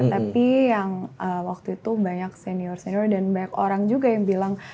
tapi yang waktu itu banyak senior senior dan banyak orang juga yang bilang